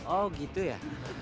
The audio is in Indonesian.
oh gitu ya